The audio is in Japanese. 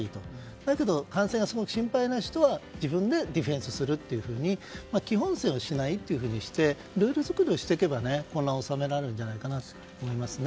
だけど、感染がすごく心配な人は自分でディフェンスするってことで基本線はしないということでルール作りをしていけば混乱は収められるんじゃないかと思いますね。